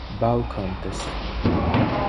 Bow Contest.